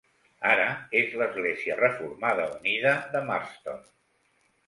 Ara és l'Església Reformada Unida de Marston.